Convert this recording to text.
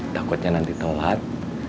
takutnya nanti tauat